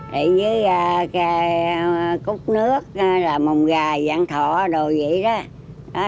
đi với cút nước làm mồng gà dạng thọ đồ vậy đó